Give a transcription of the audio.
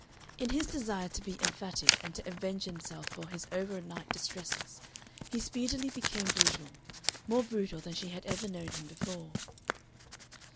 In his desire to be emphatic and to avenge himself for his over night distresses, he speedily became brutal, more brutal than she had ever known him before.